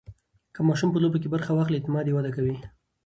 که ماشوم په لوبو کې برخه واخلي، اعتماد یې وده کوي.